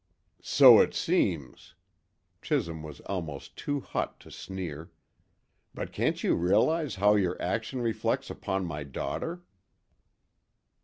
"So it seems," Chisholm was almost too hot to sneer. "But can't you realise how your action reflects upon my daughter?"